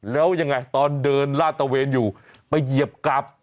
แล้วยังไงตอนเดินลาดตะเวนอยู่ไปเหยียบกลับ